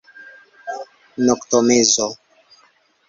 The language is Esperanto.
Noktomezo.